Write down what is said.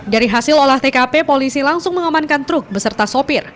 dari hasil olah tkp polisi langsung mengamankan truk beserta sopir